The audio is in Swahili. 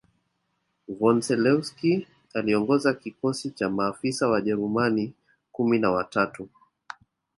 von Zelewski aliongoza kikosi cha maafisa Wajerumani kumi na tatu